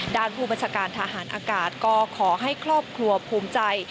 ด้านผู้บัญชาการทหารอากาศก็ขอให้ครอบครัวภูมิใจ